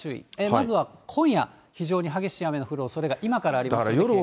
まずは今夜、非常に激しい雨の降るおそれがありますので警戒です。